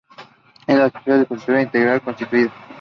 Es socia directora de Integran Consulting.